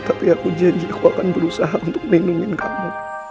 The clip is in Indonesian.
tapi aku janji aku akan berusaha untuk melindungi kamu